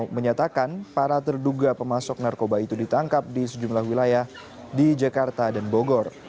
menyatakan para terduga pemasok narkoba itu ditangkap di sejumlah wilayah di jakarta dan bogor